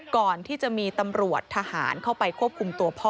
ก่อนที่จะมีตำรวจทหารเข้าไปควบคุมตัวพ่อ